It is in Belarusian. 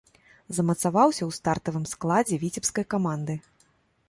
Замацаваўся ў стартавым складзе віцебскай каманды.